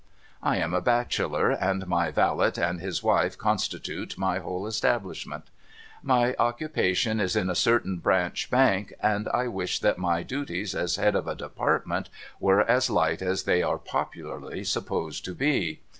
I am a bachelor, and my valet and his wife constitute my whole establishment. My occupation is in a certain Branch Bank, and I wish that my duties as head of a Department were as light as they are popularly supposed to be.